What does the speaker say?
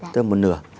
tức là một nửa